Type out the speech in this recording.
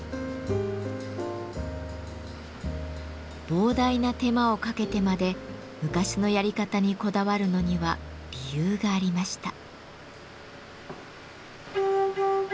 膨大な手間をかけてまで昔のやり方にこだわるのには理由がありました。